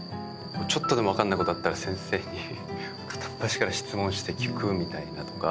ちょっとでも分かんないことあったら先生に片っ端から質問して聞くみたいなとか。